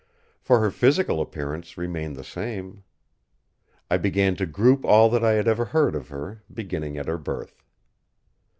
for her physical appearance remained the same. I began to group all that I had ever heard of her, beginning at her birth.